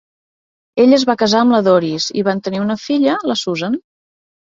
Ell es va casar amb la Doris, i van tenir una filla, la Susan.